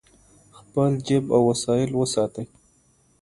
خپل جیب او وسایل وساتئ.